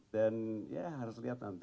ya harus lihat nanti